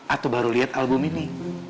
atau baru lihat album ini